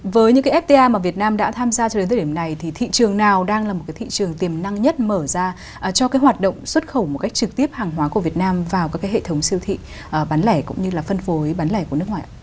với những cái fta mà việt nam đã tham gia cho đến thời điểm này thì thị trường nào đang là một cái thị trường tiềm năng nhất mở ra cho cái hoạt động xuất khẩu một cách trực tiếp hàng hóa của việt nam vào các cái hệ thống siêu thị bán lẻ cũng như là phân phối bán lẻ của nước ạ